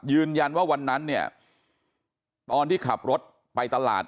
ยืนยันว่าวันนั้นเนี่ยตอนที่ขับรถไปตลาด